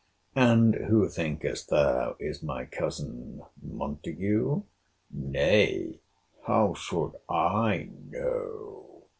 And who, thinkest thou, is my cousin Montague? Nay, how should I know?